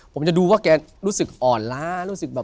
ผมจะดูว่าแกรู้สึกอ่อนล้ารู้สึกแบบ